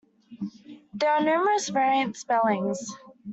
There are numerous variant spellings.